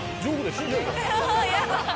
死んじゃう。